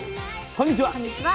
こんにちは。